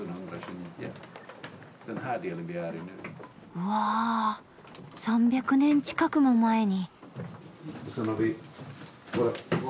うわぁ３００年近くも前に。